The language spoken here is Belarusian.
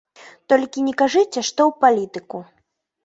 Толькі не кажыце, што ў палітыку.